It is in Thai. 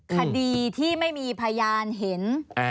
คดีที่ไม่มีพยานเห็น